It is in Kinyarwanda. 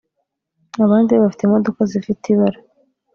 Abandi bo bafite imodoka zifite ibara